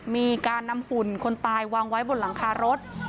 มีการนำหุ่นคนตายวางไว้บนหลังคารถ